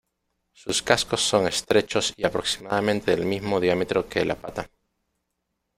Sus cascos son estrechos y aproximadamente del mismo diámetro que la pata.